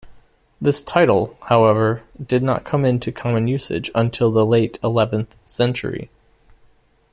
This title, however, did not come into common usage until the late eleventh century.